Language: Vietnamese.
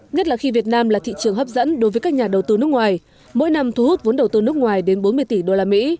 nhất là khi việt nam là thị trường hấp dẫn đối với các nhà đầu tư nước ngoài mỗi năm thu hút vốn đầu tư nước ngoài đến bốn mươi tỷ usd